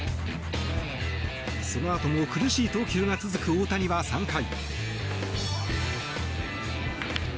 そのあとも苦しい投球が続く大谷は、３回。